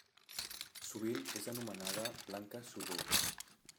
Sovint és anomenada Blanca Subur.